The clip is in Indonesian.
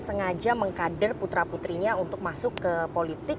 sengaja mengkader putra putrinya untuk masuk ke politik